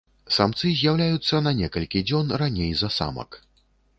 Самцы з'яўляюцца на некалькі дзён раней за самак.